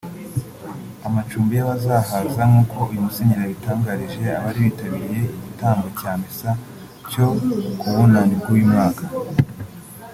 amacumbi y’abazahaza nkuko uyu musenyeri yabitangarije abari bitabiriye igitambo cya misa cyo ku bunani bw’uyu mwaka